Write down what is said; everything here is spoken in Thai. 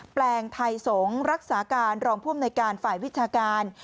แปลงไทยสงศ์รักษาการรองผู้อำนวยการฝ่ายวิชาการ